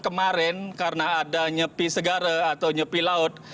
kemarin karena ada nyepi segara atau nyepi laut